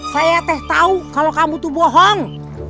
saya teh tahu kalau kamu tuh bohong